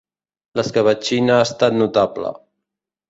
L'escabetxina ha estat notable.